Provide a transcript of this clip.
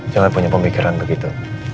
jangan punya pemikiran begitu